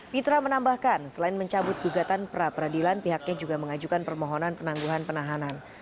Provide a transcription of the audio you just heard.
fitra menambahkan selain mencabut gugatan pra peradilan pihaknya juga mengajukan permohonan penangguhan penahanan